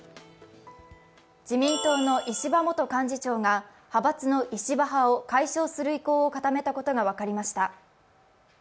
自民党の石破元幹事長が派閥の石破派を解消する意向を固めたことが分かりました。